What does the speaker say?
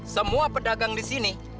semua pedagang disini